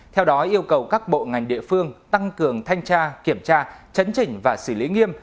theo đó yêu cầu các bộ ngành địa phương tăng cường thanh tra kiểm tra chấn chỉnh và xử lý nghiêm